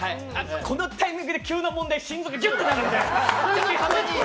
このタイミングで急な問題、心臓がキュッてなるんで。